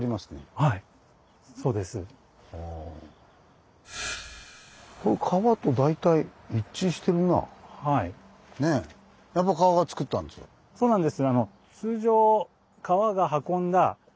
はいはいそうなんです。